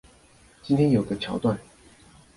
今天有一個橋段